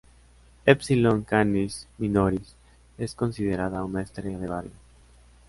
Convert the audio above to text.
Épsilon Canis Minoris es considerada una estrella de bario.